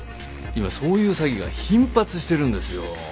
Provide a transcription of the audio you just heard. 今そういう詐欺が頻発してるんですよ。